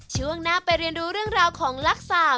ช่วงหน้าไปเรียนรู้เรื่องราวของลักษา